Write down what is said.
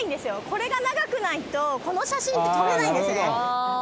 これが長くないとこの写真って撮れないんですね